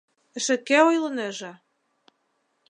— Эше кӧ ойлынеже?